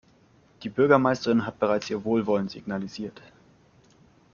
Die Bürgermeisterin hat bereits ihr Wohlwollen signalisiert.